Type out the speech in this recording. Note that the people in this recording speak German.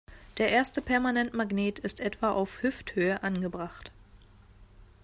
Der erste Permanentmagnet ist etwa auf Hüfthöhe angebracht.